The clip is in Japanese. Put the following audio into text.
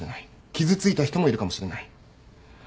傷ついた人もいるかもしれない。